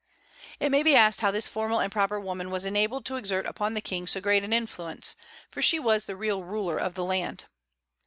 It may be asked how this formal and proper woman was enabled to exert upon the King so great an influence; for she was the real ruler of the land.